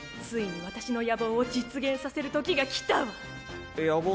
ついに私の野望を実現させるときがきたわ！